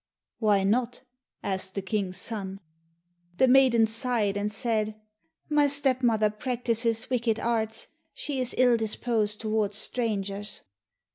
"Why not?" asked the King's son. The maiden sighed and said, "My step mother practises wicked arts; she is ill disposed toward strangers."